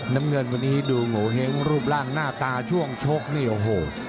น้ำเงินวันนี้ดูโงเห้งรูปร่างหน้าตาช่วงชกนี่โอ้โห